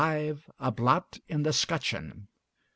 'A Blot in the 'Scutcheon.'